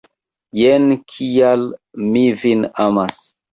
Jen kial mi vin amas!